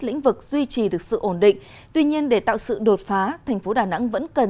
lĩnh vực duy trì được sự ổn định tuy nhiên để tạo sự đột phá thành phố đà nẵng vẫn cần